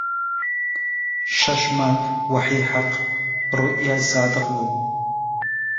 شەش مانگ وەحی حەق ڕوئیای سادق بوو